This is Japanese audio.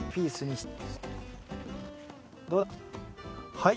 はい。